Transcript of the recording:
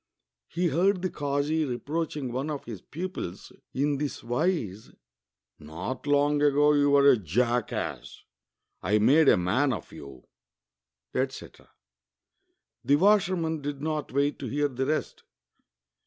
He heard the kazi reproach ing one of his pupils in this wise: ''Not long ago you were a jackass; I made a man of you," etc. The washer man did not wait to hear the rest.